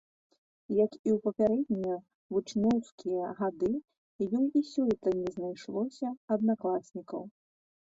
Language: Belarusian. Як і ў папярэднія вучнёўскія гады, ёй і сёлета не знайшлося аднакласнікаў.